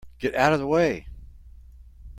Get out of the way!